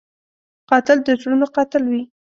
قاتل د زړونو قاتل وي